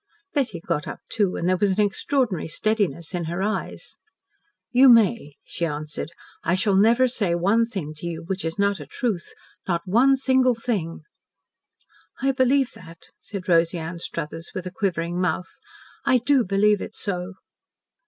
Betty got up, too, and there was an extraordinary steadiness in her eyes. "You may," she answered. "I shall never say one thing to you which is not a truth, not one single thing." "I believe that," said Rosy Anstruthers, with a quivering mouth. "I do believe it so."